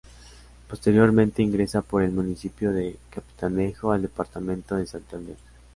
Posteriormente ingresa por el municipio de Capitanejo al departamento de Santander.